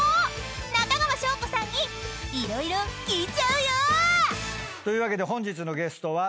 ［中川翔子さんに色々聞いちゃうよ］というわけで本日のゲストは中川翔子さん